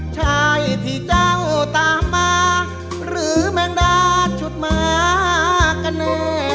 ชายที่เจ้าตามมาหรือแมงดาชุดมากันแน่